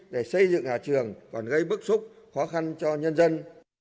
để xây dựng nhà trường còn gây bức xúc khó khăn cho nhân dân